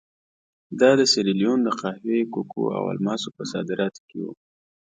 دا د سیریلیون د قهوې، کوکو او الماسو په صادراتو کې وو.